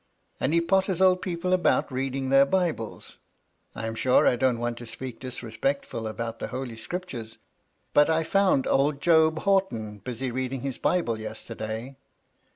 And he potters old people about read ing their Bibles. I am sure I don't want to speak dis respectfully about the Holy Scriptures, but I found old Job Horton busy reading his Bible yesterday.